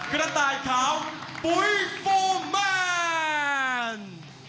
กระต่ายขาวปุ๋ยฟูแมน